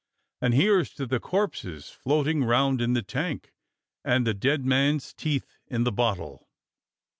And here's to the corpses floating round in the tank; And the dead man's teeth in the bottle.